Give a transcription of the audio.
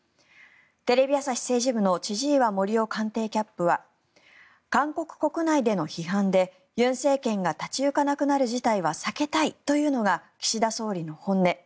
テレビ朝日政治部の千々岩森生官邸キャップは韓国国内での批判で尹政権が立ち行かなくなる事態は避けたいというのが岸田総理の本音。